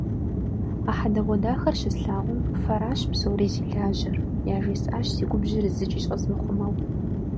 А хьэдэгъуэдахэр щыслъагъум, «Фэращ псори зи лажьэр!» яжесӏащ, си губжьыр зыкӏи щӏэзмыхъумэу.